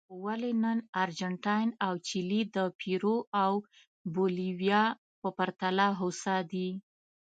ولې نن ارجنټاین او چیلي د پیرو او بولیویا په پرتله هوسا دي.